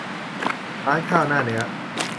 ร้านข้าวหน้าเนื้อ